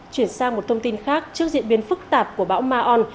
chuyển sang một thông tin khác trước diễn biến phức tạp của bão mar on